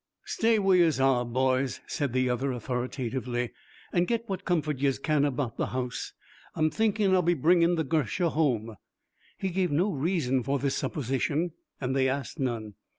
'Stay where yez are, boys!' said the other authoritatively, 'an' get what comfort yez can about the house. I'm thinkin' I'll be bringin' the girsha home.' He gave no reason for this supposition, and they asked none.